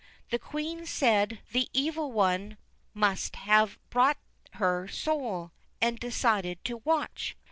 The Queen said the Evil One must have bought her soul, and decided to watch.